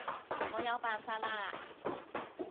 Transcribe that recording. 我有辦法啦